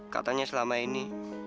katanya selama ini